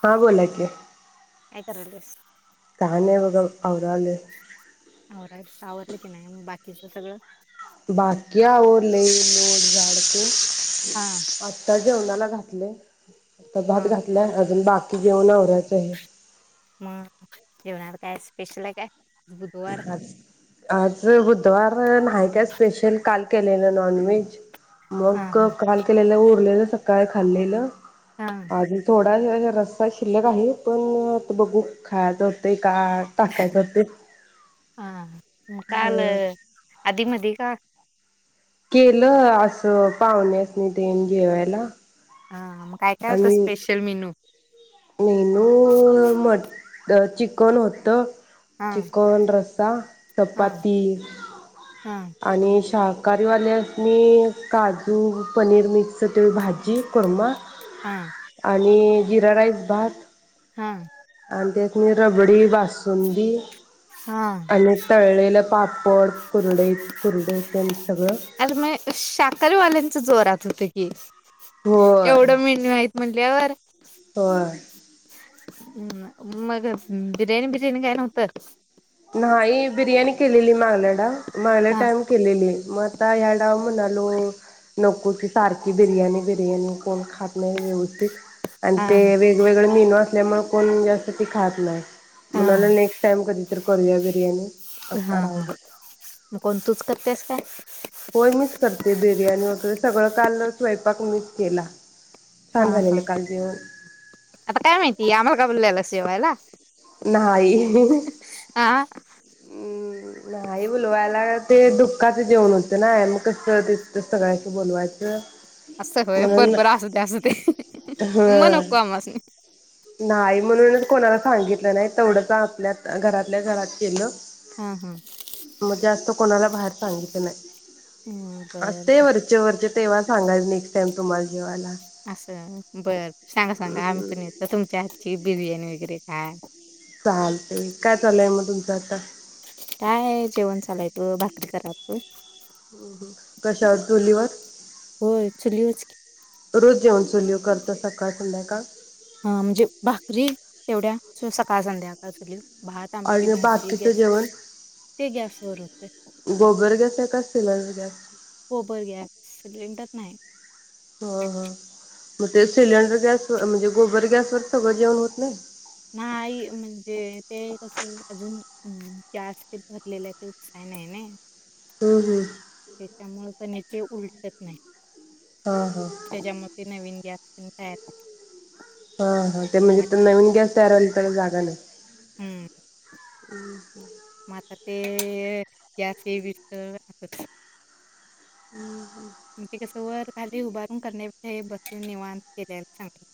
हां बोला की. काय करालीयास? काय नाही बघा आवराले. [unintelligible] बाकीचं सगळं. बाकी आवरले. हा [unintelligible] आता जेवणाला घातलय. आता भात हा घातलाय अजून जेवण आवरायचं आहे. मग जेवणार काय स्पेशल आहे काय? बुधवार आज बुधवार नाही का स्पेशल काल केलेलं नॉनव्हेज हा हा मग काल केलेल उरलेलं सकाळ खाल्लेलं हा [unintelligible] [unintelligible] रस्सा शिल्लक आहे पण आता बघू खायचं होत का टाकायचं ते हा म काल आधी [unintelligible] केलं असं पाहुण्यासनी ते [unintelligible] न जेवायला. हा मग काय काय होतं आणि special menu menu mutton, chicken होतं. हा चिकन रस [unintelligible] हा चपाती हा आणि श शाकाहारी वाल्यासनी काजू, पनीर मिक्स ते भाजी कुर्मा हा आणि जिरा राईस भात. हा. आणि त्यासनी रबडी बासुंदी हा आणि तळलेलं पापड कुरडई कुरडया तेन सगळं. च जोरात होत की. होय एवढं मेन्यू आहेत म्हणल्यावर होय. मग बिर्याणी बिर्याणी काय नोव्हतं‌? नाही बिर्याणी केलेली मागल्या डाव. मागल्या हा टाईम केलेली. मग आत आता या डाव म्हणालो, नको ती सारखी बिर्याणी बिर्याणी कोण खात नाही व्यवस्थित. आणि हा ते वेगवेगळे मेन्यू अस त्यामुळे कोण जास्त बी खात नाही. हा म्हणालो नेस्ट टाइम कधी तर करूया बिर्याणी हा आता राहू हा दे मग कोण तूच करतेयस काय? [inaudible] होय, मीच करतेय बिर्याणी वगैरे सगळं काल स्वयंपाक मीच केला. हां छान झालेलं हां काल जेवण आता काय माहिती, आम्हाला काय बोलवलेलत. जेवायला? नाही. हा हम्म नाही बोलवायला, ते दुःखाचं जेवण होतं नाय मग कस दिसत सगळ्याशी बोलवायचं. असं होय, बर म्हणून बर असुदे असदे ह मग नको आम्हासणी. नाही म्हणूनच कोणाला सांगितलं नाही, तेवढंच आपल्यात घरातल्या घरात केलं. हा हा मग जास्त कोणाला बाहेर सांगितल नाही. बर असतंय वरचे वरचे व तेव्हा सांगाईल, नेस्ट टाइम तुम्हासनी. असं बर सांगा सांगा आम्ही पण येतो तुम च्या हातची बिर्याणी वगैरे. [unintelligible] चालते काय चाललंय मग तुमचं आता. काय आहे जेवण चालू आहे. भाकरी करालोय. कशावर चुलीवर? होय चुलीवच की. रोज जेवण चुलीवर करता सकाळ संध्याकाळ. ह म्हणजे भाकरी तेवढ्या, सकाळ संध्याकाळ चुलीवर. भात, आमटी, आणि भाजी बाकीचं गॅस, जेवण ते गॅस वर होतय. गोबर [unintelligible] गोबर गॅस सिलेंडर नाही. ह हा म ते सिलेंडर गॅसवर म्हणजे गोबर गॅसवर सगळं जेवण होत नाही? नाही, म्हणजे ते कसं अजून, गॅस ते भरलेले आहे ते उपसाय नाही ने. हम्म हम्म. त्यामुळे कणी ते उलटत नाही. हां हां त्याच्या मध्ये नवीन, गॅस तेन तयार [unintelligible] हां. ते नाही. म्हणजे नवीन गॅस तयार व्हायला जागा. [unintelligible] हम्म. [inaudible] म आता ते गॅस हे व्हीस तवर [inaudible] म ते कस. वर-खाली उभारून करण्यापेक्षा हे बसून निवांत केल्याल चांगल.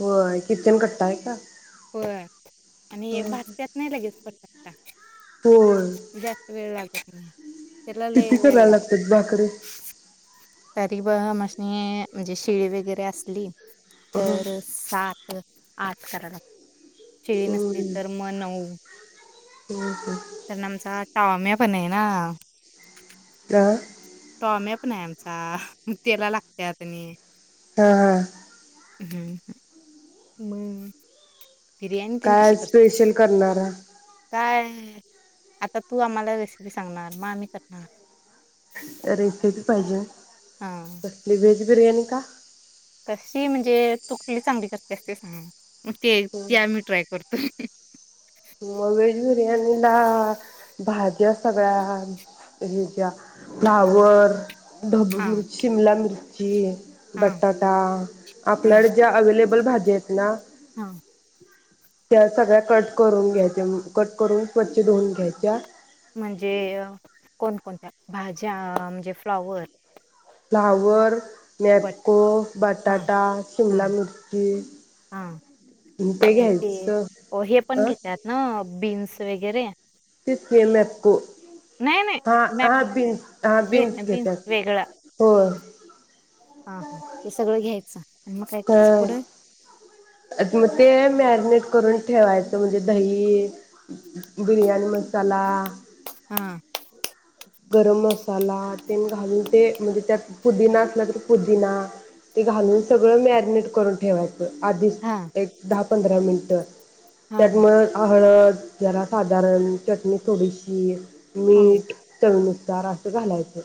होय किचन कट्टा आहे का? होय आणि हे ह भाजत्यात नाही लगेच होय पटा-पटा जास्त वेळ लागत नाही त्याला लई किती वेळ करायला लागतात भाकरी? लागतोय, तरी ब आम्हस्नी म्हणजे शीळी वगैरे असली. हा तर सात आठ कराय लगत्यात. शिळी नसली तर म नऊ. हम. टॉम्या पण नाही ना. [unintelligible] नाही आमचा त्याला लागत्यात आणि हां हां. हम् हम. बिर्याणी त काय कशी करतेस स्पेशल करणारा काय? आता तू आम्हाला रेसिपी सांगणार म आम्ही करणार. रेसीपी पाहिजे हा कसली व्हेज बिर्याणी का? कशी म्हणजे तु कुठली चांगली करतेस ते सांग. ते ते आम्ही ट्राय करतो. [unintelligible] मग व्हेज बिर्याणीला भाज्या सगळ्या हे ज्या फ्लॉवर ढब्बू हा मिरची, शिमला मिरची म्हणजे हा बटाटा हा आपल्याडे ज्या अवेलेबल अवेलेबल भाजी आहेत ना. हा. त्या सगळ्या कट करून घ्याय. कट करून स्वच्छ धुवून घ्यायच्या, म्हणजे कोणकोणत्या भाज्या म्हणजे फ्लॉवर फ्लॉवर. बट मॅप्को हा बटाटा हा शिमला मिरची हा ते आणि घ्यायच हो हे पण अं घेतात ना बीन्स वगैरे तेच की मॅप्को नाही नाही मॅप, हा बीन्स बिन्स घेतात वेगळा हो हा हा हे सगळं घ्यायचं आणि मग काय करायचं पुढं? मग ते मॅगनेट करून ठेवायचं म्हणजे दही, बिर्याणी मसाला हां. गरम मसाला तेन घालून ते म्हणजे त्यात पुदिना असला तर पुदिना ते घालून सगळं मॅग नेट करून ठेवायचं. आधीच हा एक दहा पंधरा मिनट. हां, त्यात हां. मग हळद जरा साधारण चटणी थोडीशी. हां, मीठ चवीनुसार असं घालायचं.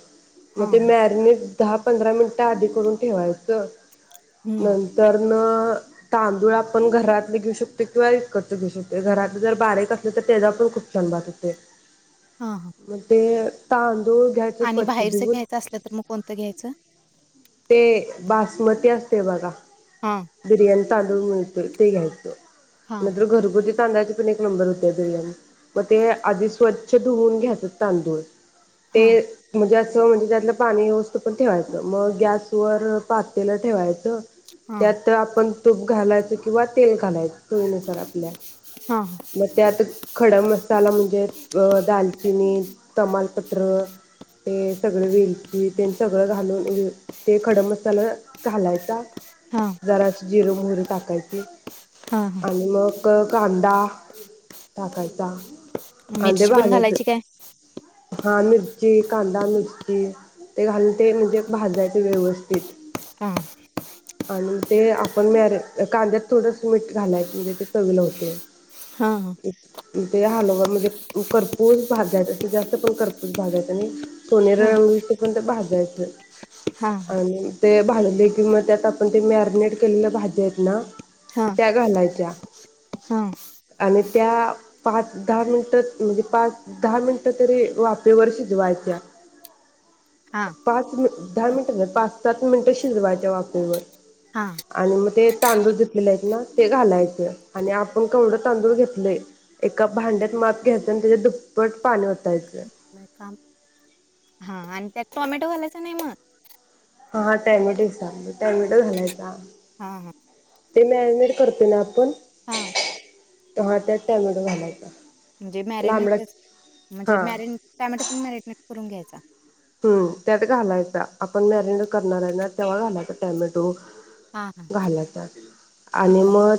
म ते हां, मॅरिनेट दहा-पंधरा मिनिटं आधी करून ठेवायचं. हं. नंतर म तांदूळ आपण घरातले घेऊ शकतो किंवा विकतच घेऊ शकतोय. घरात जर बारीक असले तर त्याचा पण खूप छान भात होतोय. हा ह. ते तां आणि बाहेरच घ्यायचं असलं तर मग कोणतं घ्यायचं? ते बासमती असतयं बघा. हां, बिरयाणी तांदूळ मिळतो ते घ्यायचं. हां, हां, नाहीतर घरगुती तांदळाचे पण एक नंबर असतात [unintelligible] मग ते आधी स्वच्छ धुवून घ्यायच तांदूळ. ते हां, मुज्या म्हणजे त्यातलं पाणी येऊ स्तोपतर ठेवायच मग गॅसवर पातेलं ठेवायचं. हां, त्यात आपण तूप घालायचं किंवा तेल घालायचं. हां, मग त्यात खडा मसाला म्हणजे अ दालचिनी तमाल पत्र. ते सगळे वेलची तेनं सगळं घालून. होयं. ते खडा मसाला घालायचा हां, जराशी जिरं मोहरी टाकायची हां, हां. आणि मग कांदा टाकायचा मिरची पण घालायची काय हां मिरची कांदा मिरची ते घालून ते म्हणजे भाजायचे ते व्यवस्थित हा आणि ते आपण मॅर कांद्यात थोडस मीठ घालाय म्हणजे ते चवील होते हा ह ते हलोवा म्हणजे कर्पूस भाजाय असं जास्त पण कर्पूस भाजायच आणि सोनेर हां, रंग येई तो पर्यंत ते भाजायच हां, आणि ते भालले किंवा त्यात आपण ते मॅरिनेट केलेल्या भाज्या आहेत ना हां, त्या घालायच्या हां, आणि त्या पाच दहा मिनिट म्हणजे पाच दहा मिनिटं तरी वापेवर शिजवायच्या हां, पाच मि दहा हां, मिनट पाच सात मिनिटं शिजवायच्या वाफेवर हां. आणि मग ते तांदूळ घेतलेले आहेत ना ते घालायचे आणि आपण कवडं तांदूळ घेतले एका भांड्यात माप घ्यायचं आणि त्याच्या दुप्पट पाणी होतायचं लय काम हां आणि त्यात टोमॅटो घालायच नाही मग हा टायमेटिक टायमेटो घालायचा हा हा ते मॅरिनेट करते ना आपण हां. हा त्यात टॅमॅटो घालायचा म्हणजे लांबडा मॅरिनेटच म्हणजे हा मॅरिने ट्यामॅटो पण मॅरिने करून घ्यायचा हम्म त्यात घालायचा आपण मॅरिनेट करणार आहे ना तेव्हा घालायचा टॅमॅटो हां, हां. घालायचा आणि बरं. मग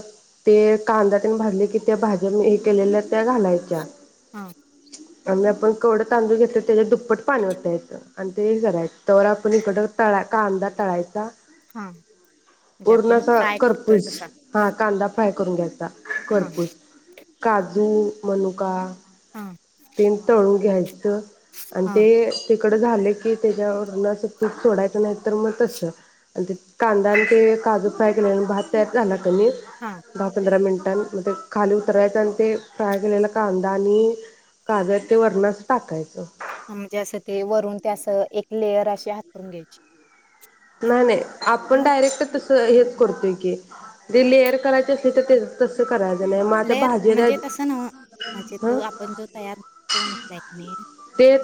ते कांदा तने भाजले की त्या भाज्या मी हे केलेल्या त्या घालायच्या हा आम्ही आपण केवडं तांदळ घेतोय त्याच्या दुप्प पट पाणि वतायच आणि ते करायच तवर आपण इकडं तळा कांदा तळायचा हां. म्हणजे पूर्ण आपण अस फ्राय करतोय कर्पूस तसा? हा कांदा फ्राय करून घ्यायचा हां, कर्पूस काजू मनुका हां, तेन तळून घ्यायचं आणि हां, ते तिकड झाले की त्याच्यावरन तूप सोडायचं नाही तर मग तस आणि ते कांदा आणि ते काजू फ्राय केल्याल भात त्यात घाला आणि हां. दहा पंधरा मिनट खाली उतरायचं आणि ते फ्राय केलेला कांदा आणि काजू ते वरणच अस टाकायचं. म्हणजे असं ते वरून ते असं एक लेयर अशी हातरून घ्यायची. नाही नाही आपण मग डायरेक्ट तसं हे करतोय की. ते लेअर करायचे असले तर तस करा लेअर म्हणजे तस न्हव, म्हणजे ह तो आपण जो तयार करून नाइ ते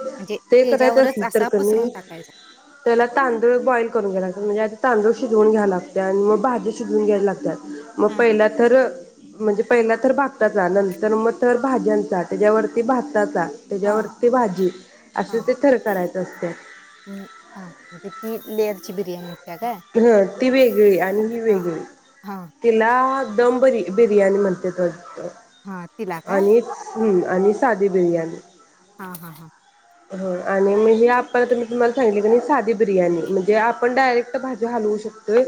ते करायचं असल तर असा कनी, पसरून टाकायचा. त्याला तांदूळ बॉईल करून घेयला लागत्यात. म्हणजे आ तांदूळ शिजवून घ्या लागत्या आणि मग भाजी शिजवून घ्यायला लागत्या. मग हा हा पहिला तर म्हणजे पहिला थर भाताचा नंतर मग थर भाज्यांचा त्याज्यावरती भा ताचा त्याज्यावर हा भाजी असे हा ते थर करायचं असत्यात. लेयरची बिर्याणी. होत्या काय ह ती वेगळी आणि ही हा वेगळी. हा तिला दम बर बिर्याणी म्हणत्यात वाटतं. हा तिला काय? आणि हं आणि साधी बिर्याणी. हा हा हा. हो आणि म्हणजे आपण मी तुम्हाला सांगितलं कणी साधी बिर्याणी, म्हणजे आपण डायरेक्ट भाजी हालवू शकतोय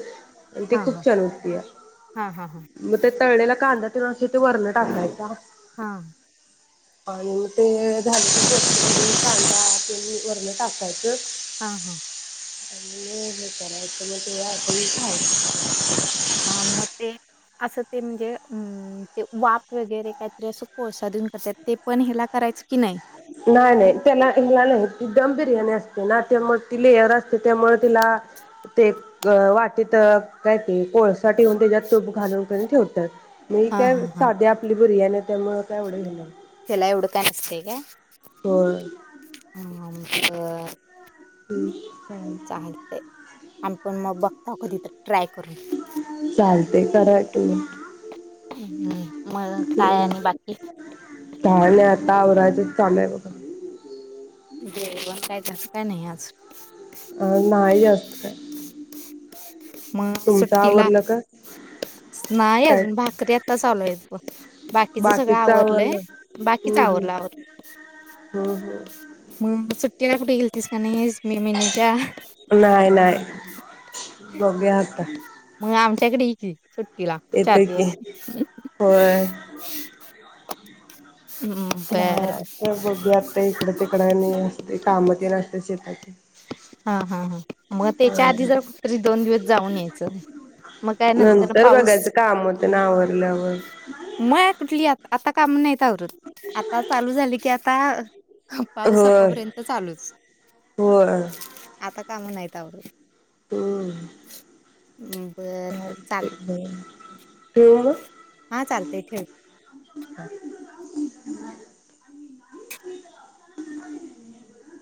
आणि ती हा हा खूप छान होतीया. हा हा हा मग ते तळलेला कांदा ते वरन टाकायचा. हा. आणि मग ते झाल की कांदा तेन वरण टाकायचं. हा हा. आणि [unintelligible] हा मग ते असं ते म्हणजे अ ते वाफ वगैरे काहीतरी असं कोळसा तेन करत्यात, ते पण ह्याला करायचं? की नाही नाही नाही त्याला ह्यला नाही, ती दम बिर्याणी अस ना त्यामुळे ति लेअर असते त्यामुळ तिला ते वाटीत काय ते कोळसा ठेऊन त्याच्यात तूप घालून कणी ठेवतात. ही हा काय हा हा साधी आपली बिर्याणी त्यामुळे का एवढ हे नाही. त्याला एवढं काय नसतंय काय? होय ह अ हम्म चालतय आणि पण मग बघ ताकोतित ट्राय करून ते करायच हम्म मग काय आणि बाकी काय नाही आता आवरायचंच चाललंय बघा ते पण कायचं काय नाही आज अ नाही जास्त काय मग तुमचं सुट्टीला आवरलं का नाही काय अजून भाकरी आताच चालू आहेत बग बाकीच सगळं आवरलंय बाकीच हम्म हम्म आवरलं आवरल हम्म हम्म सुट्टीला कुठे गेलतीस काय नाही? नाही नाही बघूया आता मग आमच्याकडे ये की तिला चार येतय की दिवस होय हम्म, बर बर ह बघू आता इकड तिकड आणि असतय काम तेन असत्यात शेताची हा हा हा मग त्याच्या होय आधी जर कुठ तरी दोन दिवस जाऊन यायचं मग काय नंतरन नंतर पाऊस बघायचं काम तेन आवरल्यावर म कुठली आ आता काम नाहीत आता चालू झाली की पा पाऊस होय आपपर्यंत चालूच होय आता काम नाहीवरून हम बरं बर चाल हा चालतंय ठेव. हो ह